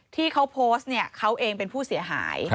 ที่เขาโพสต์เนี่ยเขาเองเป็นผู้เสียหาย